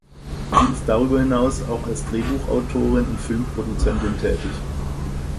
Sie ist darüber hinaus auch als Drehbuchautorin und Filmproduzentin tätig.